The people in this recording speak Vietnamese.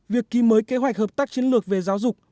việc ký mới kế hoạch hợp tác chiến lược về giáo dục